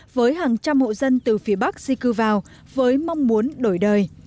với hàng trăm hộ dân từ phía bắc di cư vào với mong muốn đổi đời